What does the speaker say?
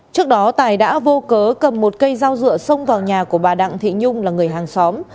trước đó tài đã vô cớ cầm một cây dao dựa xông vào nhà của bà đặng thị nhung là người hàng xóm